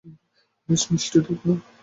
বেশ মিষ্টি দুধ, না?